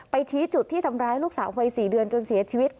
ชี้จุดที่ทำร้ายลูกสาววัย๔เดือนจนเสียชีวิต